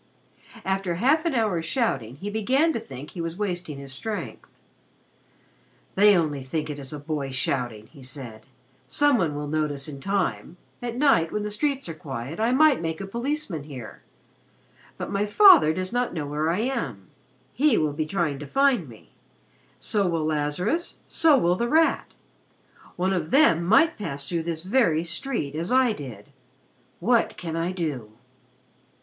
After half an hour's shouting, he began to think that he was wasting his strength. "They only think it is a boy shouting," he said. "Some one will notice in time. At night, when the streets are quiet, I might make a policeman hear. But my father does not know where I am. He will be trying to find me so will Lazarus so will The Rat. One of them might pass through this very street, as I did. What can I do!"